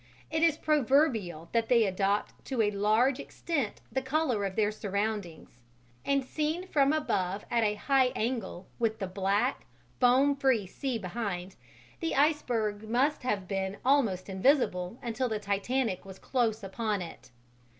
It is proverbial that they adopt to a large extent the colour of their surroundings; and seen from above at a high angle, with the black, foam free sea behind, the iceberg must have been almost invisible until the Titanic was close upon it.